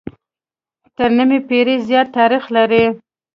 تر نيمې پېړۍ زيات تاريخ لري